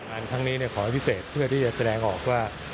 ครั้งนี้ขอให้พิเศษเพื่อที่จะแสดงออกว่า